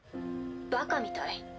バカみたい。